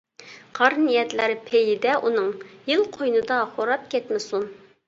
قار نىيەتلەر پېيىدە ئۇنىڭ، يىل قوينىدا خوراپ كەتمىسۇن.